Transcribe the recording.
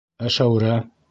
Ә Шәүрә?